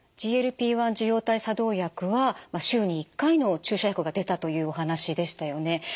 ＧＬＰ−１受容体作動薬は週に１回の注射薬が出たというお話でしたよね。